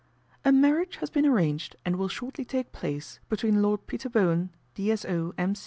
" A marriage has been arranged and will shortly take place between Lord Peter Bowen, D.S.O., M.